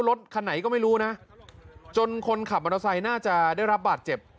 รถคันไหนก็ไม่รู้นะจนคนขับมอเตอร์ไซค์น่าจะได้รับบาดเจ็บ